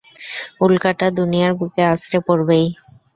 উল্কাটা দুনিয়ার বুকে আছড়ে পড়বেই!